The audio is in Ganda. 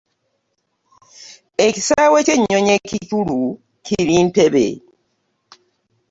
Ekisaawe ky'ennyonyi ekikulu kiri ntebbe.